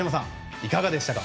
いかがでしたか？